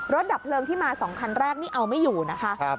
ดับเพลิงที่มา๒คันแรกนี่เอาไม่อยู่นะคะ